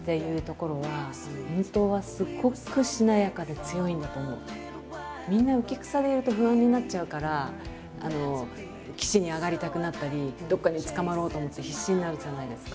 でもみんな浮き草でいると不安になっちゃうから岸に上がりたくなったりどっかにつかまろうと思って必死になるじゃないですか。